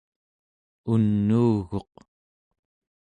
unuuguq